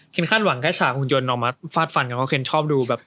เคนคาดหวังแค่ฉากุงยนต์ออกมาฟาดฟันกันก็เคนชอบดูแบบ